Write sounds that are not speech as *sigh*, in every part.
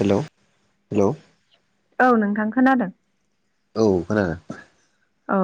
हेल' हेल' औ नोंथां खोनादों। औ खोनादों। औ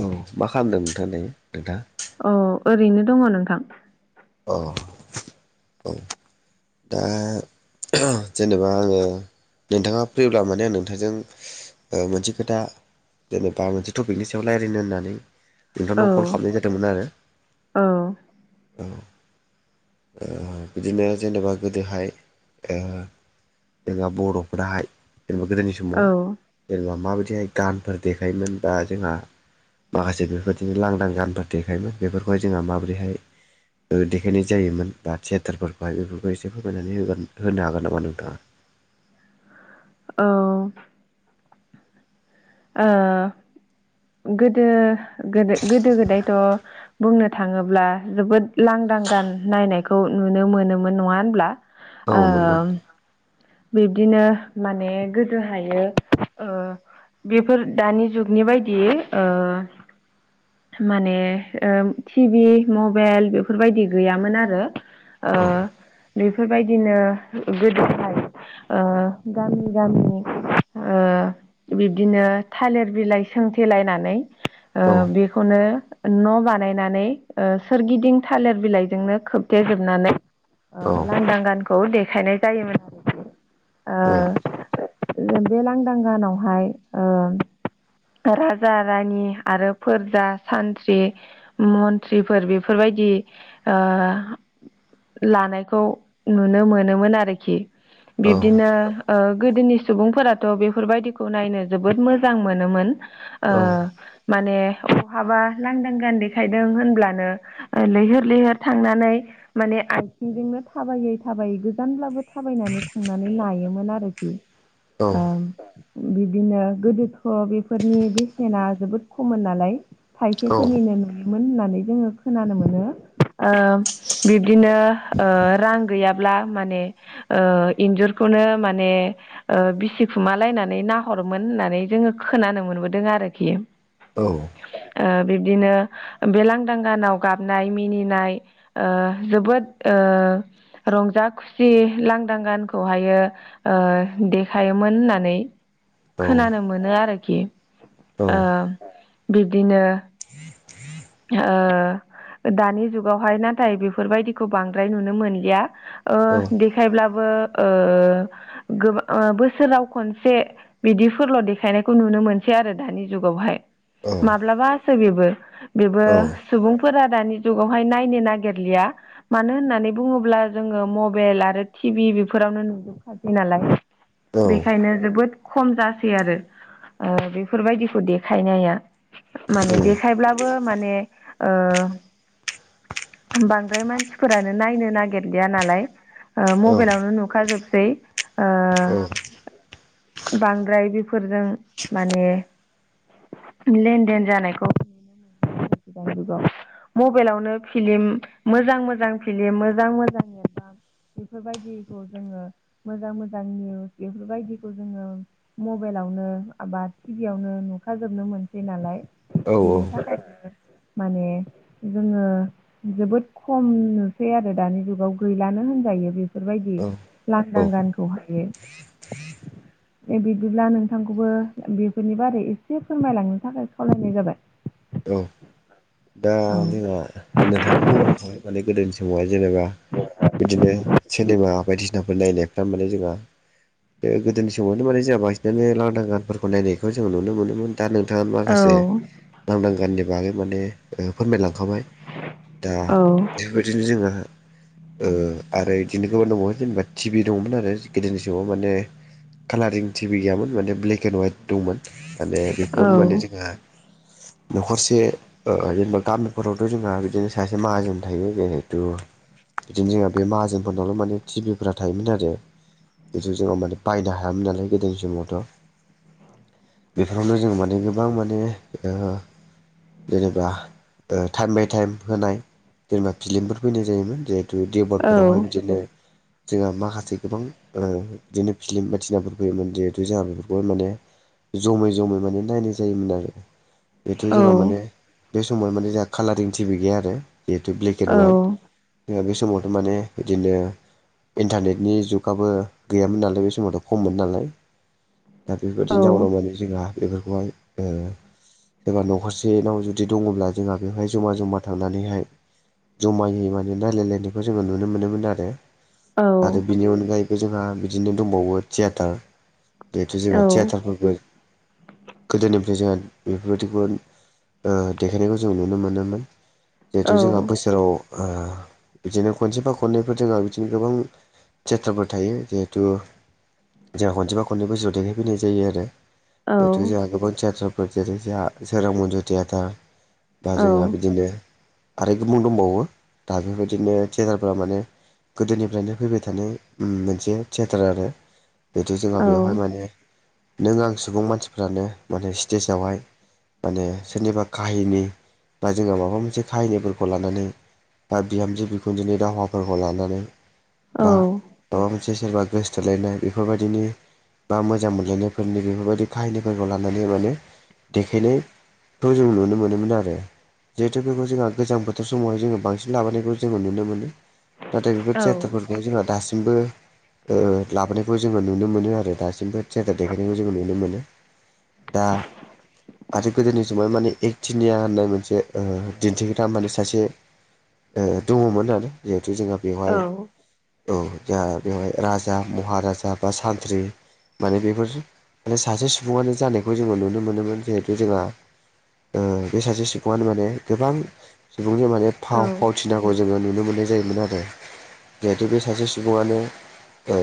औ मा खालामदों नोंथां दायो नोंथांआ? औ ओरैनो दङ नोंथां। अ दा जेनेबा आङो नोंथाङा फ्रिब्ला माने आं नोंथांजों ओ मोनसे खोथा जेनेबा मोनसे टपिकनि सायाव रायज्लायनो होननानै औ नोंथांनाव कल खालामनाय जादोंमोन आरो औ औ। बिदिनो जेनेबा गोदोहाय ओ जोंहा बर'फोराहाय जेनेबा गोदोनि औ समाव जेनेबा माबायदिहाय गानफोर देखायोमोन बा जोंहा माखासे बेफोरबायदिनो लांदां गानफोर देखायोमोन बेफोरखौय जोंहा माबोरैहाय ओ देखायनाय जायोमोन दा थियेटारफोरखौहाय बेफोरखौ एसे फोरमायनानै होगोन होनो हागोन नामा नोंथाङा? औ गोदो गोदो गोदो गोदायथ' बुंनो थाङोब्ला जोबोद लांदां गान नायनायखौ नुनो मोनोमोन नङा होनब्ला? औ ओ नंगौ बिब्दिनो माने गोदो हायो ओ बेफोर दानि जुगनि बायदि ओ माने टिभि मबाइल बेफोरबायदि गैयामोन आरो। औ बेफोरबायदिनो गोदोहाय ओ गामि गामि ओ बिब्दिनो थालिर बिलाइ सोंथेलायनानै औ बे खौनो न' बानायनानै सोरगिदिं थालिर बिलाइजोंनो खोबथेजोबनानै। औ लांदां गानखौ देखायनाय जायोमोन। औ ओ बे लांदां गानावहाय ओ राजा रानि आरो फोरजा सानथ्रि मन्त्रिफोर बेफोरबायदि ओ लानायखौ नुनो मोनोमोन आरोखि औ बिब्दिनो गोदोनि सुबुंफोराथ' बेफोरबायदिखौ नायनो जोबोद मोजां मोनोमोन। ओ औ माने बहाबा लांदां गान देखायदों होनब्लानो ओ लैहोर लैहोर थांनानै माने आथिंजोंनो थाबायै थाबायै गोजानब्लाबो था बायनानै थांनानै लायोमोन आरोखि। औ। ओ बिब्दिनो गोदोथ' बेफोरनि बेसेना जोबोद खममोन नालाय। औ थाइसेफोरनिनो नुयोमोन होननानै जोङो खोनानो मोनो। ओ बिब्दिनो ओ रां गैयाब्ला माने। ओ इन्जुरखौनो माने। ओ बिसिखुमालायनानै नाहरोमोन होननानै जोंङो खोनानो मोनबोदों आरोखि। औ। ओ बिब्दिनो बे लांदां गानाव गाबनाय मिनिनाय। ओ जोबोद ओ रंजा खुसि। लांदां गानखौहायो ओ देखायोमोन होननानै खोनानो मोनो आरोखि। ओ बिब्दिनो ओ दानि जुगावहाय नाथाय बेफोरबायदिखौ बांद्राय नुनो मोनलिया। ओ औ देखायब्लाबो ओ गोबां बोसोराव खनसे। बिदिफोरल' देखायनायखौ नुनो मोनसै आरो दानि जुगावहाय माब्लाबासो बेबो। बेबो सुबुंफोरा दानि जुगावहाय नायनो नागिरलिया। मानो होननानै बुंङोब्ला जोंङो मबेल आरो टिभि बेफोरावनो नुजोबो खासै नालाय बेखायनो जोबोद। खम जासै आरो ओ बेफोरबायदिखौ देखायनाया। माने देखायब्लाबो माने ओ बांद्राय मानसिफोरानो नायनो नागिरलिया नालाय। औ औ मबेलावनो नुखाजोबसै ओ बांद्राय बेफोरजों माने लेनदेन जानायखौ गाव मबाइलावनो फिलिम मोजां मोजां फिलिम मोजां मोजां एबा बेफोरबायदिखौ जोंङो मोजां मोजां निउस बेफोरबायदिखौ जोंङो। मबाइलावनो एबा टिभियावनो नुखाजोबनो मोनसै नालाय बेनि थाखायनो। माने जोंङो जोबोद खम नुसै आरो दानि जुगाव गैलानो होनजायो बेफोरबायदि। लांदां गानखौ हायो। *inaudible* दे बिदिब्ला नोंथांखौबो बेफोरनि बारै एसे फोरमायलांनो थाखाय खावलायनाय जाबाय। दा औ जोंहा ओ नोंथांङानो बुंलांखाबाय। माने गोदोनि समावहाय जेनेबा बिदिनो सिनेमा बायदिसिनाफोर नायनायफ्रा माने जोंहा। ओ गोदोनि समावनो माने जोंहा बांसिनानो लांदां गानफोरखौ नायनायखौ जों नुनो मोनोमोन। दा नोंथांङा औ माखासे लांदां गाननि बागै माने ओ फोरमायलांखाबाय। दा औ बेफोरबायदिनो जोंहा। ओ आरो इदिनो गोबां दंबावो। जेनेबा टिभि दंमोन। आरो गोदोनि समाव माने। कालारिं टिभि गैयामोन माने ब्लेकएन्डवाइट। दंमोन। माने बेफोरावनो माने जोंहा न'खरसे ओ बा गामिफोरावथ' जोंहा बिदिनो सासे माहाजोन थायो। जिहेथु बिदिनो जोंहा बे माहाजोनफोरनावल' माने टिभि फोरा थायोमोन आरो। जिथु जोंङो माने बायनो हायामोन नालाय। गोदोनि समावथ' बेफोरावनो जों माने गोबां माने ओ जेनेबा टाइम बाय टाइम होनाय जेनेबा फिलिमफोर फैनाय जायोमोन। जे दु देवबार फोरावहाय बिदिनो। जोंहा माखासे गोबां ओ बिदिनो फिलिम बायसिनाफोर फैयोमोन। जिहेथु जोंहा बेफोरखौ माने जमै जमै माने नायनाय जायोमोन आरो। बेथ' जोंहा माने बे समाव माने दा कालारिं टिभि गैया आरो। जिहेतु ब्लेक एन्ड अवाइट। जोङा बे समावथ' माने बिदिनो इन्टारनेटनि जुगाबो गैयामोन नालाय बे समावथ' खममोन नालाय दा बेफोरबायदिनो जाउनाव माने जोंहा बेफोरखौहाय ओ सोरबा न'खरसेनाव जुदि दङब्ला जोंहा बेवहाय जमा जमा थांनानैहाय जमायै माने रायलायलायनायखौ जोङो नुनो मोनोमोन आरो। आरो बिनि अनगायैबो जोंहा बिदिनो दंबावो थियेटार जेहेथु जोंहा थियेटारफोरबो गोदोनिफ्राय जोंहा बेफोरबायदिखौ ओ देखायनायखौ जों नुनो मोनोमोन। जिहेथु जोंहा बोसोराव ओ बिदिनो खनसेबा खननैफोर जोंहा बिदिनो गोबां थयेथारफोर थायो जिहेथु जोंहा खनसेबा खननै बोसोरआव देखायफैनाय जायो आरो जिहेथु जोंहा गोबां थियाेटारफोर जेरै जोंहा सोरां मन्जु थियेटार दा जोंहा बिदिनो आरो गोबुं दंबावो दा बेफोरबायदिनो थियेटारफोरा माने गोदोनिफ्रायनो फैबाय थानाय मोनसे थियेटार आरो बिदि जोंहा बेवहाय माने नों आं सुबुं मानसिफ्रानो माने स्टेजावहाय माने सोरनिबा काहिनि बा जोङो माबा मोनसे काहिनिफोरखौ लानानै बा बिहामजो बिखुनजोनि दावहाफोरखौ लानानै बा माबा मोनसे सोरबा गोसोथोलायनाय बेफोरबायदिनि बा मोजां मोनलायनायफोरनि बेफोरबायदि काहिनिफोरखौ लानानै माने देखायनायखौ जों नुनो मोनोमोन आरो। जिहेथु बेखौ जोंहा गोजां बोथोर समावहाय जोङो बांसिन लाबायखौ जोङो नुनो मोनो। नाथाय बेफोर थियेटारफोरखौ जोंहा दासिमबो ओ लाबोनायखौ जोङो नुनो मोनो आरो दासिमबो थियेटार देखायनायखौ जोङो नुनो मोनो। दा आरो गोदोनि समाव माने एक थिनिया होननाय मोनसे ओ दिन्थिग्रा माने सासे ओ दङमोन आरो जिहेथु जोंहा बेवहाय औ जोंहा बेवहाय राजा महाराजा बा सानथ्रि माने बेफोर माने सासे सुबुङानो जानायखौ जोङो नुनो मोनोमोन जिहेथु जोंहा ओ बे सासे सुबुङानो माने गोबां सुबुंनि माने फाव फावथिनांगौ जोङो नुनो मोननाय जायोमोन आरो। जिहेथु बे सासे सुबुङानो ओ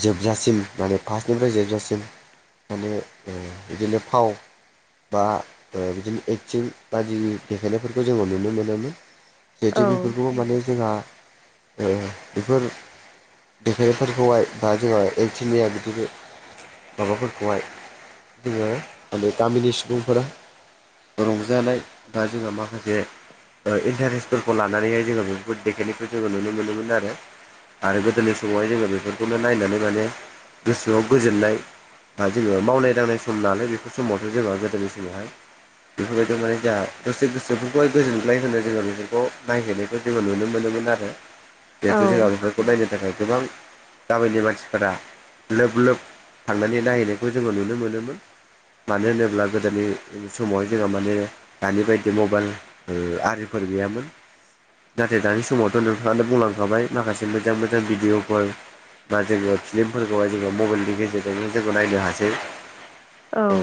जोबजासिम माने फार्स्टनिफ्राय जोबजासिम माने ओ बिदिनो फाव बा ओ बिदिनो एक्टिं बायद देखायनायफोरखौ जोङो नुनो मोनोमोन। जिहेथु बेफोरखौ माने जोंहा ओ बेफोर देखायनायफोरखौहाय बा जोङा एलटिनिया बेफोरखो माबाफोरखौहाय जोङो माने गामिनि सुबुंफोरा रंजानाय बा जोंहा माखासे ओ इन्टारेस्फोरखौ लानानैहाय जोङो बेफोरखौ देखायनायखौ जोङो नुनो मोनोमोन आरो। आरो गोदोनि समावहाय जोङो बेफोरखौनो नायनानै माने गोसोआव गोजोननाय बा जोङो मावनाय दांनाय सम नालाय बेफोर समावथ' जोंहा गोदोनि समावहाय बेफोरबायदियाव माने जोंहा दसे गोसोफोरखौहाय गोजोनग्लाय होनो जोङो बेफोरखौ नायहैनायखौ जोङो नुनो मोनोमोन आरो जिहेथु जोंहा बेफोरखौ नायनो थाखाय गोबां गामिनि मानसिफोरा लोब लोब थांनानै नायहैनायखौ जोङो नुनो मोनोमोन। मानो होनोब्ला गोदोनि गोदोनि समावहाय जोंहा माने दानि बायदि मबाइल ओ आरिफोर गैयामोन। नाथाय दानि समावथ' नोंथाङानो बुंलांखाबाय माखासे मोजां मोजां भिडिअफोर बा जोङो फिलिमफोरखौहाय जोङो मबाइलनि गेजेरजोंनो जों नायनो हासै। औ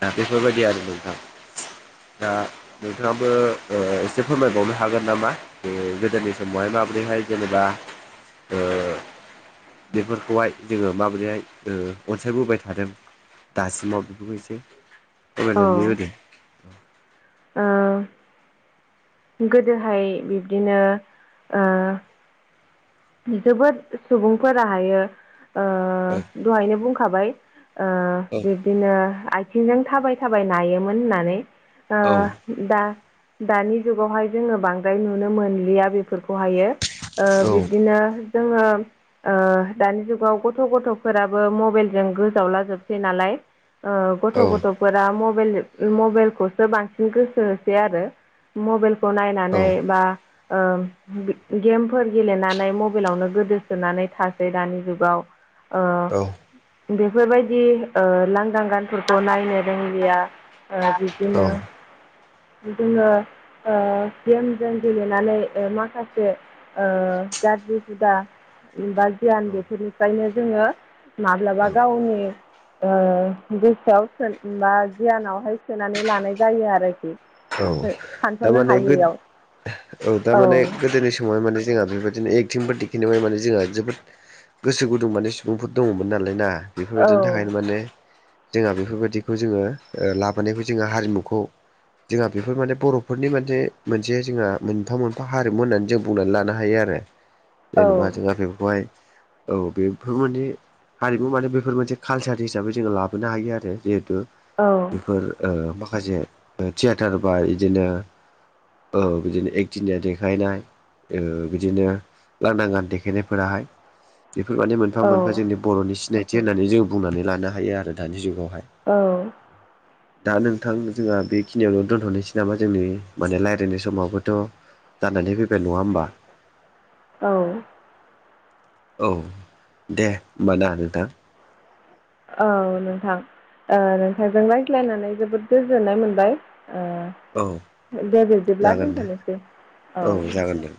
दा बेफोरबायदि आरो नोंथां दा नोंथाङाबो ओ एसे फोरमायबावनो हागोन नामा? ओ गोदोनि समावहाय माबोरैहाय जेनेबा ओ बेफोरखौहाय जोङो माबोरैहाय ओ अनसायबोबाय थादों। दासिमाव बेफोरखौ एसे फोरमायनानै होदो ओ गोदोहाय ओ बिब्दिनो जोबोद सुबुंफोराहायो ओ दहायनो बुंखाबाय ओ औ *unintelligible* बिदिनो आथिंजों थाबाय थाबाय नायोमोन होननानै ओ औ दा-दानि जुगावहाय जोङो बांद्राय नुनो मोनलिया बेफोरखौहायो। ओ बिब्दिनो जोङो ओ दानि जुगाव गथ' गथ'फोराबो मबेइलजों गोजावलाजोबसै नालाय। ओ गथ' औ गथ'फोरा मबेल मबेइलखौसो बांसिन गोसो होसै आरो मबेइलखौ औ नायनानै बा *unintelligible* गेमफोर गेलेनानै *unintelligible* मबेइलावनो गोदोसोनानै थासै दानि जुगाव बेफोरबायदि ओ लांगां गानफोरखौ नायनो रोंलिया ओ औ बिदिनो जोङो ओ गेमजों गेलेनानै ओ माखासे ओ गाज्रि हुदा बा गियान बेफोरनिफ्रायनो जोङो माब्लाबा गावनि ओ गोसोआव सो बा गियानावहाय सोनानै लानाय जायो आरोखि। औ सानस'नो थामाने हायैयाव औ थामाने गोदोनि समावहाय माने जोंहा बेबायदि बिदिनो एकटिंफोर दिखिनायबाय माने जोंहा जोबोद गोसो गुदुं माने सुबुंफोर दङमोन नालाय ना। औ बेफोरबायदिनि थाखायनो माने जोंहा बेफोरबायदिखौ जोङो ओ लाबोनायखौ जोंहा हारिमुखौ जोंहा बेफोर माने बर'फोरनि मोने मोनसे जोंहा मोनफा मोनफा हारिमु होननानै जों बुंनानै लानो हायो आरो। औ जेनेबा जोंहा बेखौहाय औ बेफोर माने हारिमु माने बेफोर मोनसे कालसार हिसाबै जोङो लाबोनो हायो आरो जिहेथु औ बेफोर ओ माखासे थियेटार बा इदिनो औ बिदिनो एकदिनिया देखायनाय ओ बिदिनो लांदां गान देखायनायफोराहाय बेफोर माने मोनफा औ मोनफा जोंनि बर'नि सिनायथि होननानै जों बुंनानै लानो हायो आरो दानि जुगावहाय। औ दा नोंथां जोंहा बे खिनियावनो दोनथ'नोसै नामा जोंनि माने रायलायनाय समावबोथ' जानानै फैबाय नङा होमबा? औ औ दे होमबा ना नोंथां? औ नोंथां ओ नोंथांजों रायज्लायनानै जोबोद गोजोननाय मोनबाय औ ओ दे बिब्दिब्ला जागोन दे दोनथ'नोसै औ जागोन दे